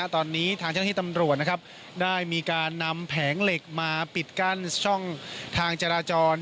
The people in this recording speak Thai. ตอนนี้ทางเจ้าหน้าที่ตำรวจได้มีการนำแผงเหล็กมาปิดกั้นช่องทางจราจร